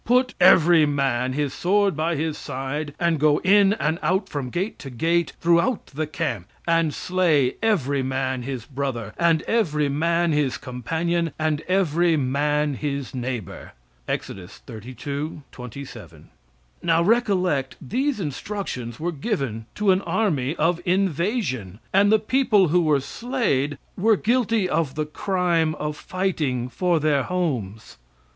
Put every man his sword by his side, and go in and out from gate to gate through out the camp, and slay every man his brother, and every man his companion, and every man his neighbor." (Exod. xxxii, 27.) Now recollect, these instructions were given to an army of invasion, and the people who were slayed were guilty of the crime of fighting for their homes.